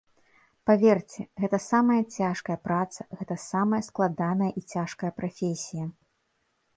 Паверце, гэта самая цяжкая праца, гэта самая складаная і цяжкая прафесія.